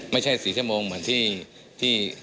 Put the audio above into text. ไม่ใช่๔ชั่วโมงเหมือนที่